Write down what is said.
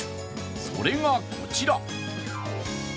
それが、こちら！